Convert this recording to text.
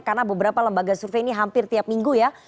karena beberapa lembaga survei ini hampir tiap minggu ya